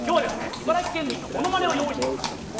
茨城県民のものまねを用意してきました。